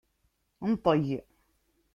Nṭeg!